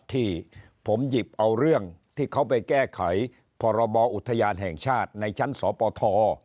ที่ผมหยิบเอาเรื่องที่เขาไปแก้ไขพรบอุทยานแห่งชาติในชั้นสปท